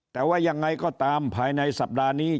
แต่ว่ายังไงก็ตามภายในสัปดาห์นี้